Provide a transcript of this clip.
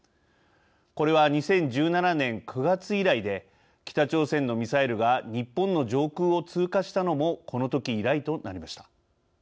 これは２０１７年９月以来で北朝鮮のミサイルが日本の上空を通過したのもこの時以来となりました。